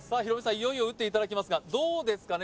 いよいよ打っていただきますがどうですかね